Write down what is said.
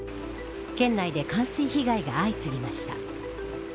県内で冠水被害が相次ぎました。